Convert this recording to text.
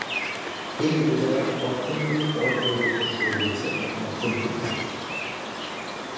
এই উপজেলার অর্থনীতির পট পরিবর্তন করে দিয়েছে একমাত্র ভুট্টা।